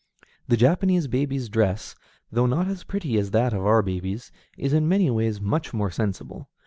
The Japanese baby's dress, though not as pretty as that of our babies, is in many ways much more sensible.